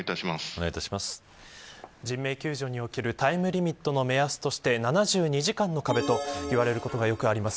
人命救助におけるタイムリミットの目安として７２時間の壁と言われることがよくあります。